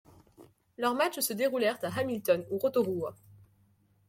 Leur matchs se déroulent à Hamilton ou Rotorua.